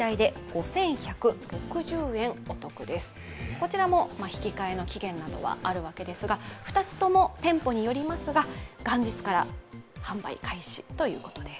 こちらも引き換えの期限などはあるわけですが、２つとも店舗によりますが元日から販売開始ということです。